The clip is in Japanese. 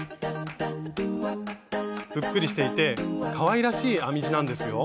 ぷっくりしていてかわいらしい編み地なんですよ。